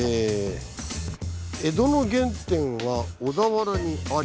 「江戸の原点は小田原にあり？」。